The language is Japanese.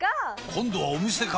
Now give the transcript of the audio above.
今度はお店か！